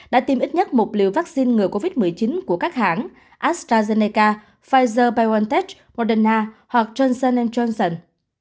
đã tiêm ít nhất một liều vaccine ngừa covid một mươi chín của các hãng astrazeneca pfizer biontech moderna hoặc johnson johnson